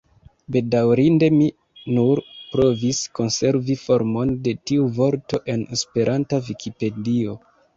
Bedaurinde mi nur provis konservi formon de tiu vorto en esperanta Vikipedio.